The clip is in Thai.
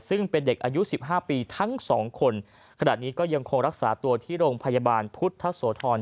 ซึ่งเป็นเด็กอายุสิบห้าปีทั้งสองคนขณะนี้ก็ยังคงรักษาตัวที่โรงพยาบาลพุทธโสธร